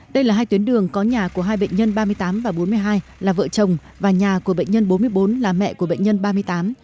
đây là hai tuyến đường có nhà của hai bệnh nhân ba mươi tám và bốn mươi hai là vợ chồng và nhà của bệnh nhân bốn mươi bốn là mẹ của bệnh nhân ba mươi tám